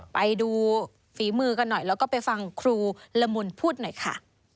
ไปดูฝีมือกันหน่อยแล้วก็ไปฟังครูละมุนพูดหน่อยค่ะ